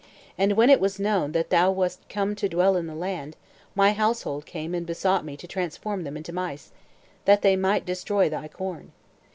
And when it was known that thou wast come to dwell in the land, my household came and besought me to transform them into mice, that they might destroy thy corn.